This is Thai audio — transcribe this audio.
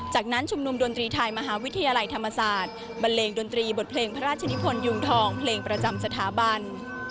จากนั้นชุมนุมดนตรีไทยมหาวิทยาลัยธรรมศาสตร์บันเลงดนตรีบทเพลงพระราชนิพลยุงทองเพลงประจำสถาบัน